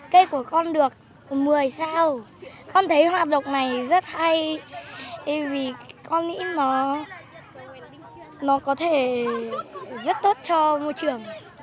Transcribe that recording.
cây của con được một mươi sao con thấy hoạt động này rất hay vì con nghĩ nó có thể rất tốt cho môi trường